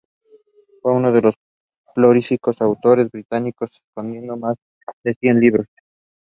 Hiram collapses and Archie goes to meet Veronica.